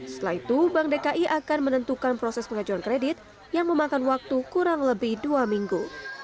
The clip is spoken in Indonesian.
setelah itu bank dki akan menentukan proses pengajuan kredit yang memakan waktu kurang lebih dua minggu